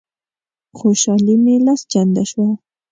خوشالي مي لس چنده شوه.